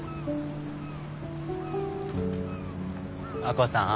亜子さん。